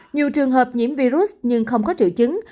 nhiều trường hợp nhiễm virus nhưng không có triệu chứng